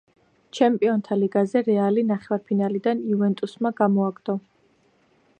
ჩემპიონთა ლიგაზე რეალი ნახევარფინალიდან „იუვენტუსმა“ გამოაგდო.